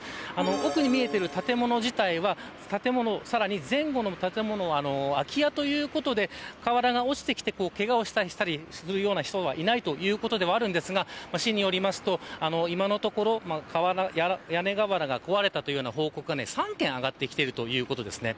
奥に見えている建物自体は建物、さらに前後の建物は空き家ということで、瓦が落ちてきてけがをしたりするような被害はないということですが市によりますと、今のところ屋根瓦が壊れたというような報告は３件上がってきているということです。